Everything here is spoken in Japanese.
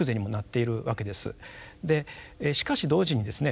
でしかし同時にですね